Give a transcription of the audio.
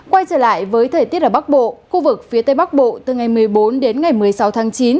quay trở lại với thời tiết ở bắc bộ khu vực phía tây bắc bộ từ ngày một mươi bốn đến ngày một mươi sáu tháng chín